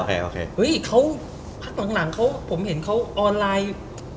โอเคเฮ้ยเขาพักหลังเขาผมเห็นเขาออนไลน์